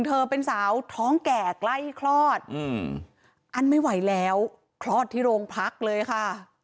เธอเป็นสาวท้องแก่ใกล้คลอดอั้นไม่ไหวแล้วคลอดที่โรงพักเลยค่ะ